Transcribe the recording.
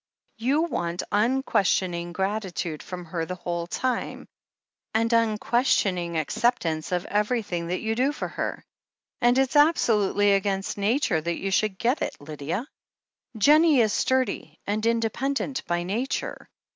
You want unques tioning gratitude from her the whole time, and unques tioning acceptance of everything that you do for her. And it's absolutely against nature that you should get it, Lydia. Jennie is sturdy and independent by nature.